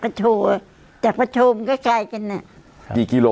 พายจากพทมก็ไกลกัน